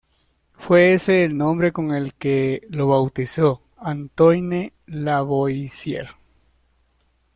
Fue ese el nombre con el que lo bautizó Antoine Lavoisier.